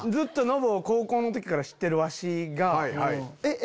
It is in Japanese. ノブを高校の時から知ってるわしがえっ？